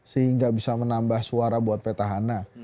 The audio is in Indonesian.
sehingga bisa menambah suara buat petahana